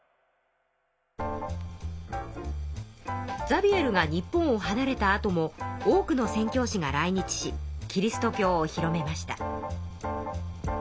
ザビエルが日本をはなれたあとも多くの宣教師が来日しキリスト教を広めました。